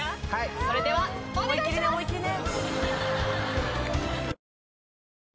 それではお願いします。